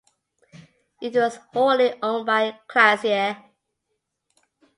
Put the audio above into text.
It was wholly owned by Clasair.